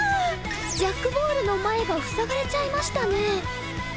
ジャックボールの前が塞がれちゃいましたねえ。